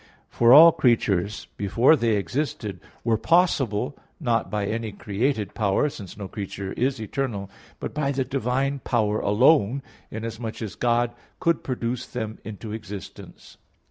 For all creatures before they existed, were possible, not by any created power, since no creature is eternal, but by the divine power alone, inasmuch as God could produce them into existence.